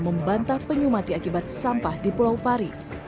membantah penyu mati akibat sampah di pulau pari